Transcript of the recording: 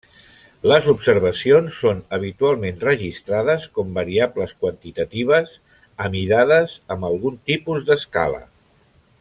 Les observacions són habitualment registrades com variables quantitatives, amidades amb algun tipus d'escala.